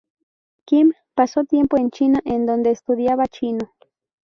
Kim pasó tiempo en China en dónde estudiaba chino.